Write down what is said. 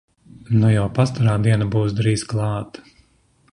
Nu jau pastara diena būs drīz klāt!